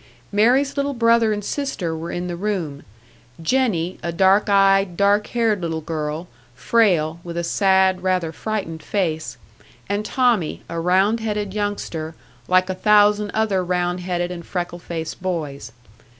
Mary's little brother and sister were in the room: Jennie, a dark eyed, dark haired little girl, frail, with a sad, rather frightened face; and Tommie, a round headed youngster, like a thousand other round headed and freckle faced boys.